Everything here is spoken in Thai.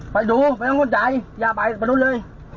ไปดูไม่ต้องห่วงใจอย่าไปไปนู้นเลย